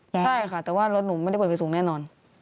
ใช่ค่ะแต่ว่ารถหนูไม่ได้เปิดไฟสูงแน่นอน